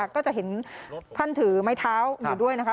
ก็จะเห็นท่านถือไม้เท้าอยู่ด้วยนะคะ